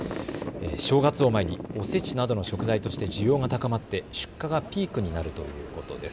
正月を前に、おせちなどの食材として需要が高まって出荷がピークになるということです。